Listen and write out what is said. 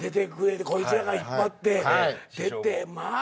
こいつらが引っ張って出てまあ